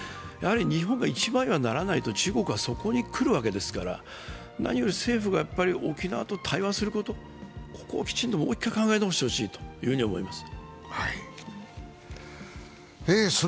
日本が一枚岩にならないと中国はそこにくるわけですから、何より政府が沖縄と対話すること、ここをきちんともう一回考え直してほしいと思います。